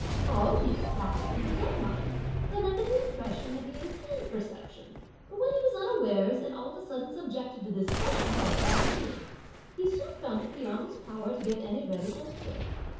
Pao yü had, in his own mind, been under the impression that he had attained perception, but when he was unawares and all of a sudden subjected to this question by Tai yü, he soon found it beyond his power to give any ready answer.